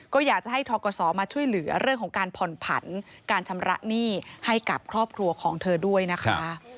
ก็อยากจะให้ทกศมาช่วยเหลือเรื่องของการผ่อนผันการชำระหนี้ให้กับครอบครัวของเธอด้วยนะคะ